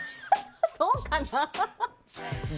そうかな？